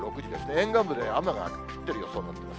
沿岸部で雨が降ってる予想になってます。